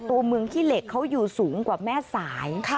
ตัวเมืองขี้เหล็กเขาอยู่สูงกว่าแม่สาย